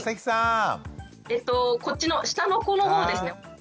こっちの下の子のほうですね。